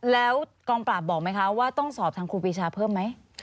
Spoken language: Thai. แล้วกองปราบบอกไหมคะว่าต้องสอบทางครูปีชาเพิ่มไหม